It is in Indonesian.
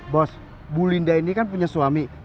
bahwa bu linda ini kan punya suami